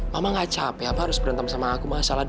mama nggak capek